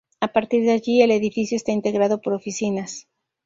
A partir de allí, el edificio está integrado por oficinas.